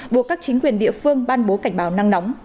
buộc các chính quyền địa phương ban bố cảnh báo nắng nóng